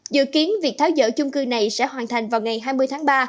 dự kiến việc tháo dỡ chung cư này sẽ hoàn thành vào ngày hai mươi tháng ba